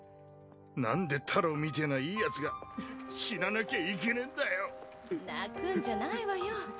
なんで太朗みてぇないいヤツが死ななきゃいけねぇんだよ。泣くんじゃないわよ。